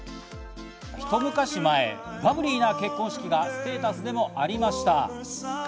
ひと昔前、バブリーな結婚式がステータスでもありました。